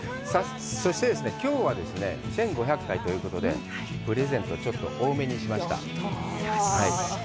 そして、きょうはですね、１５００回ということで、プレゼント、ちょっと多めにしました。